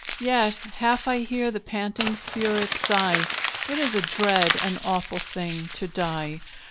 Yet half I hear the panting spirit sigh, It is a dread and awful thing to die!